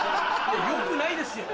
よくないですよ。